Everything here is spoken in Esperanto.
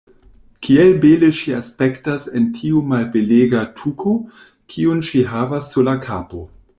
Kiel bele ŝi aspektas en tiu malbelega tuko, kiun ŝi havas sur la kapo.